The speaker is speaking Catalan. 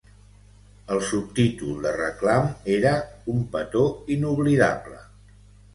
El subtítol de reclam era "Un petó inoblidable!"